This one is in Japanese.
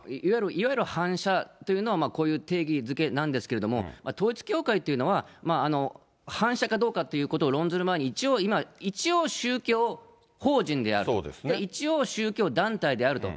いわゆる反社というのは、こういう定義づけなんですけれども、統一教会というのは、反社かどうかということを論ずる前に、一応今、一応宗教法人であって、一応宗教団体であると。